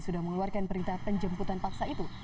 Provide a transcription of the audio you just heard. sudah mengeluarkan perintah penjemputan paksa itu